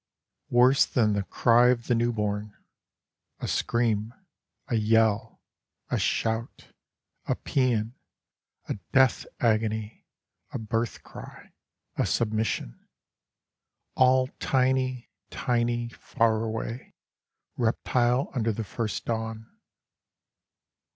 Worse than the cry of the new born, A scream, A yell, A shout, A pæan, A death agony, A birth cry, A submission, All tiny, tiny, far away, reptile under the first dawn.